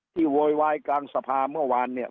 โวยวายกลางสภาเมื่อวานเนี่ย